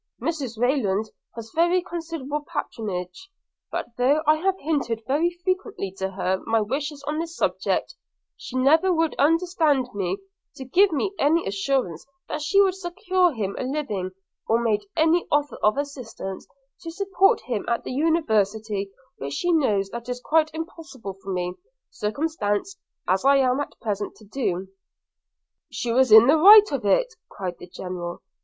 Mrs Rayland has very considerable patronage; but though I have hinted very frequently to her my wishes on this subject, she never would understand me, to give me any assurance that she would secure him a living; or made any offer of assistance to support him at the university, which she knows that it is quite impossible for me, circumstanced as I am at present, to do.' 'She was in the right of it,' cried the General.